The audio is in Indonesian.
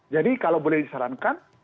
jadi kalau boleh disarankan